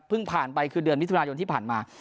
ผ่านไปคือเดือนมิถุนายนที่ผ่านมา